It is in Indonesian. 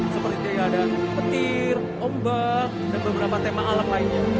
seperti kayak ada petir ombak dan beberapa tema alam lainnya